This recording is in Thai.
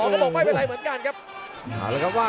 กระโดยสิ้งเล็กนี่ออกกันขาสันเหมือนกันครับ